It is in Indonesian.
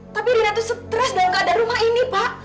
tapi rina itu stres dengan keadaan rumah ini pak